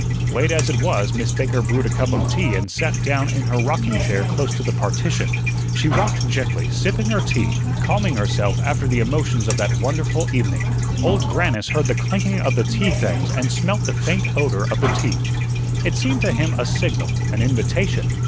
Late as it was, Miss Baker brewed a cup of tea and sat down in her rocking chair close to the partition; she rocked gently, sipping her tea, calming herself after the emotions of that wonderful evening. Old Grannis heard the clinking of the tea things and smelt the faint odor of the tea. It seemed to him a signal, an invitation.